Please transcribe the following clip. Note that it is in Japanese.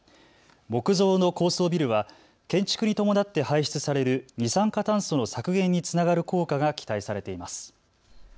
木造の高層ビルは建築に伴って排出される二酸化炭素の削減につながる効果が期待されています。